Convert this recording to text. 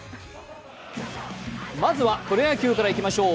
まずはプロ野球からいきましょう。